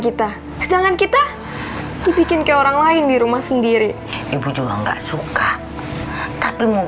kita sedangkan kita dibikin kayak orang lain di rumah sendiri ibu juga enggak suka tapi mau